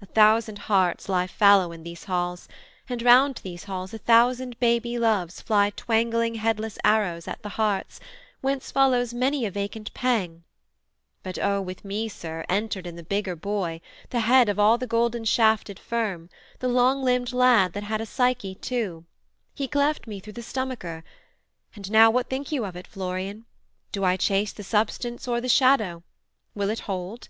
A thousand hearts lie fallow in these halls, And round these halls a thousand baby loves Fly twanging headless arrows at the hearts, Whence follows many a vacant pang; but O With me, Sir, entered in the bigger boy, The Head of all the golden shafted firm, The long limbed lad that had a Psyche too; He cleft me through the stomacher; and now What think you of it, Florian? do I chase The substance or the shadow? will it hold?